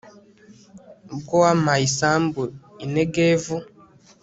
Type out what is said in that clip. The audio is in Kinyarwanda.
ubwo wampaye isambu i negevu